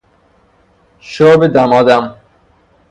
شرب دمادم